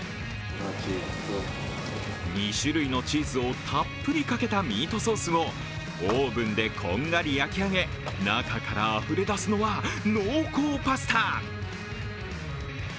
２種類のチーズをたっぷりかけたミートソースをオーブンでこんがり焼き上げ、中からあふれ出すのは濃厚パスタ。